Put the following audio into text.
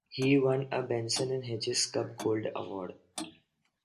He won a Benson and Hedges Cup Gold Award.